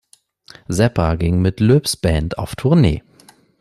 Zappa ging mit Loebs Band auf Tournee.